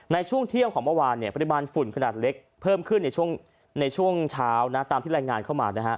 ในช่วงเที่ยงของเมื่อวานปริมาณฝุ่นขนาดเล็กเพิ่มขึ้นในช่วงเช้านะตามที่รายงานเข้ามานะฮะ